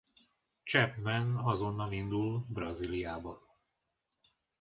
Chapman azonnal indul Brazíliába.